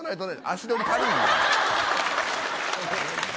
足取り軽いねん。